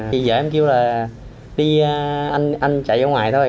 vợ em kêu là anh chạy ở ngoài